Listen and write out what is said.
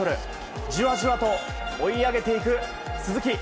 じわじわと追い上げていく鈴木。